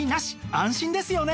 安心ですよね！